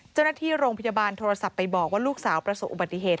เจ้าหน้าที่โรงพยาบาลโทรศัพท์ไปบอกว่าลูกสาวประสบอุบัติเหตุ